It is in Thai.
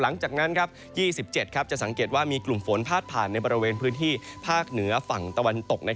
หลังจากนั้น๒๗จะสังเกตว่ามีกลุ่มฝนพาดผ่านในบริเวณพื้นที่ภาคเหนือฝั่งตะวันตก